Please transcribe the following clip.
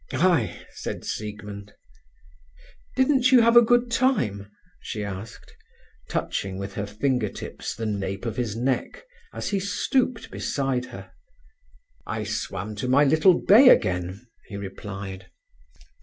"Ay!" said Siegmund. "Didn't you have a good time?" she asked, touching with her finger tips the nape of his neck as he stooped beside her. "I swam to my little bay again," he replied.